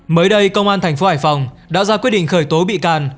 mới đây công an tp hải phòng đã ra quyết định khởi tố bị can